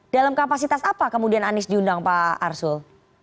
dalam kapasitas apa kemudian anies diundang pak arsul